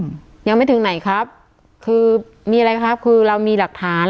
อืมยังไม่ถึงไหนครับคือมีอะไรครับคือเรามีหลักฐาน